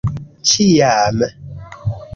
ĉiam